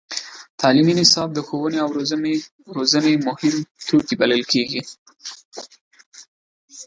تعلیمي نصاب د ښوونې او روزنې مهم توکی بلل کېږي.